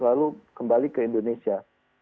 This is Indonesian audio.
lalu kembali ke indonesia